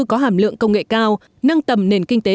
có hàm lượng công nghệ cao nâng tầm nền kinh tế